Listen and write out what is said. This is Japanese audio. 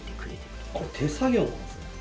これ手作業なんですね。